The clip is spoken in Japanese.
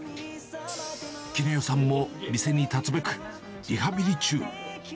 絹代さんも店に立つべく、リハビリ中。